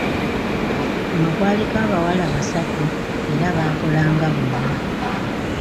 Kuno kwaliko abawala basatu era baakolanga bonna.